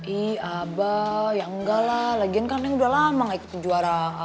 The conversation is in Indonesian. iya mbak ya nggak lah lagian kan neng udah lama nggak ikut juaraan